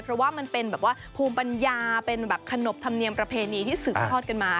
เพราะว่ามันเป็นแบบว่าภูมิปัญญาเป็นแบบขนบธรรมเนียมประเพณีที่สืบทอดกันมา